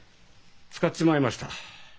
使っちまいました。